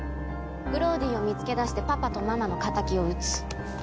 グローディを見つけ出してパパとママの敵を討つ。